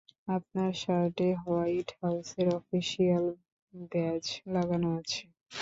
আপনার শার্টে হোয়াইট হাউসের অফিশিয়াল ব্যাজ লাগানো আছে!